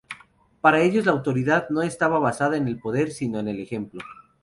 Para ellos la autoridad no estaba basada en el poder, sino en el ejemplo.